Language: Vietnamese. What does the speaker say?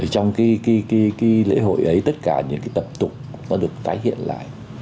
trong cái lễ hội ấy tất cả những cái tập tục nó được tái hiện lại